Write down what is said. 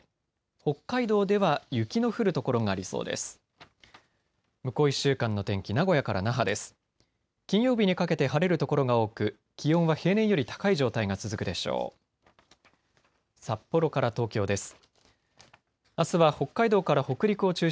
北海道では雪の降る所がありそうです。